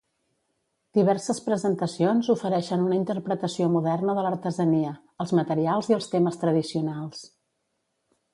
Diverses presentacions ofereixen una interpretació moderna de l'artesania, els materials i els temes tradicionals.